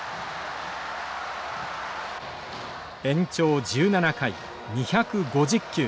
延長１７回２５０球。